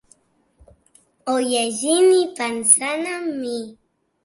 O llegint i pensant en mi.